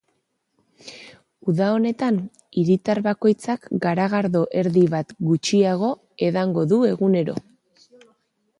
Uda honetan, hiritar bakoitzak garagardo erdi bat gutxiago edango du egunero.